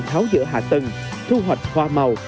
tháo giữa hạ tầng thu hoạch hoa màu